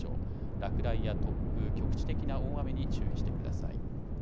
落雷や突風、局地的な大雨に注意してください。